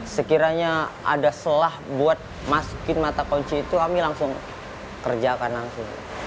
sekiranya ada selah buat masukin mata kunci itu kami langsung kerjakan langsung